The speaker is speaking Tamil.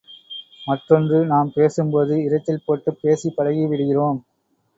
மற்றொன்று நாம் பேசும்போது இரைச்சல் போட்டுப் பேசிப் பழகிவிடுகிறோம்.